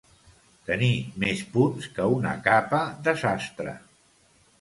Tenir més punts que una capa de sastre.